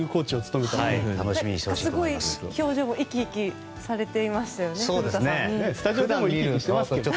すごく表情も生き生きされてましたよね。